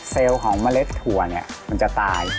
เซลล์ของเมล็ดถั่วมันจะตาย